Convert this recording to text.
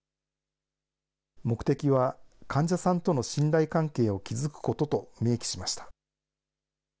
目的は、患者さんとの信頼関係を築くことと明記しました。